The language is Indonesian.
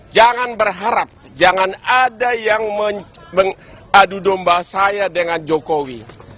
jangan berharap jangan ada yang mengadu domba saya dengan jokowi